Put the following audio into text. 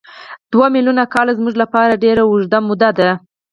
دوه میلیونه کاله زموږ لپاره ډېره اوږده موده ده.